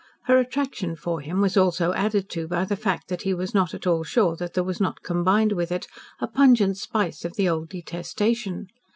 Her attraction for him was also added to by the fact that he was not at all sure that there was not combined with it a pungent spice of the old detestation.